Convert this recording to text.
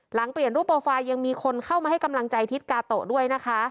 หลังเปลี่ยนรูปโปรไฟล์ยังมีคนเข้ามาให้กำลังใจทิศกาโตะด้วยนะคะ